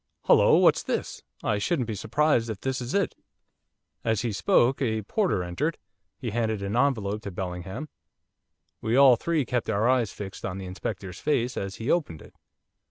Hollo! what's this? I shouldn't be surprised if this is it.' As he spoke a porter entered, he handed an envelope to Bellingham. We all three kept our eyes fixed on the inspector's face as he opened it.